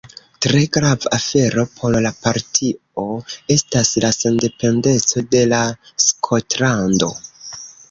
Tre grava afero por la partio estas la sendependeco de la Skotlando.